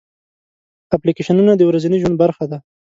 اپلیکیشنونه د ورځني ژوند برخه ده.